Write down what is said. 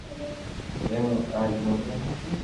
جي رو راج موٽو ھتو